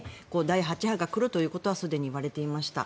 第８波が来るということはすでに言われていました。